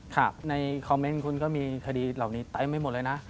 ครับในคอมเม้นต์คุณก็มีคดีเหล่านี้ไตล์ไม่หมดเลยนะ